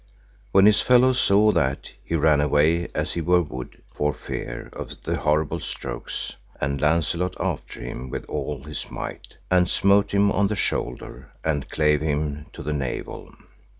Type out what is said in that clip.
When his fellow saw that, he ran away as he were wood, for fear of the horrible strokes, and Launcelot after him with all his might, and smote him on the shoulder, and clave him to the navel.